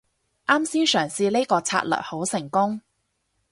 啱先嘗試呢個策略好成功